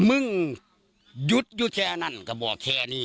มึงหยุดอยู่แค่นั้นก็บอกแค่นี้